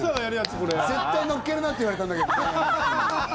絶対乗っけるなって言われたんだけど。